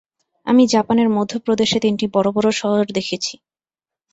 আমি জাপানের মধ্যপ্রদেশে তিনটি বড় বড় শহর দেখেছি।